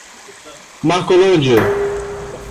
Marcolândia